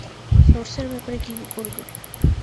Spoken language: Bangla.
সোর্সের ব্যাপারে কী করবে?